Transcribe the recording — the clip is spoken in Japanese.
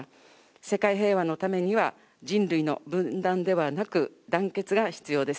世界平和のためには人類の分断ではなく、団結が必要です。